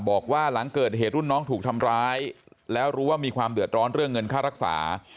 บอกว่าหลังเกิดเหตุรุ่นน้องถูกทำร้ายแล้วรู้ว่ามีความเดือดร้อนเรื่องเงินค่ารักษา